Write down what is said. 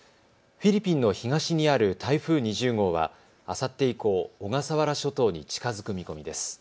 フィリピンの東にある台風２０号は、あさって以降、小笠原諸島に近づく見込みです。